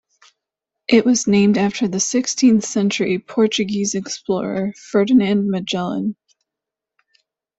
It was named after the sixteenth-century Portuguese explorer Ferdinand Magellan.